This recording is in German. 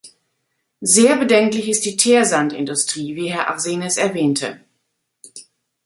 Sehr bedenklich ist die Teersandindustrie, wie Herr Arsenis erwähnte.